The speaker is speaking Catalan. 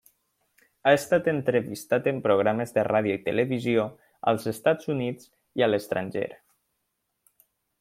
Ha estat entrevistat en programes de ràdio i televisió als Estats Units i a l'estranger.